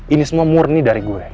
ini semua murni dari gue